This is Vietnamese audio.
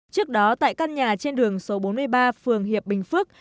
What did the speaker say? trước đó tại căn nhà trên đường số bốn mươi ba phường hiệp bình phước